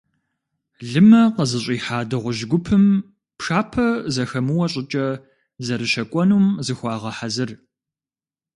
Лымэ къызыщӏихьа дыгъужь гупым, пшапэ зэхэмыуэ щӀыкӀэ, зэрыщэкӀуэнум зыхуагъэхьэзыр.